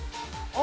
あ！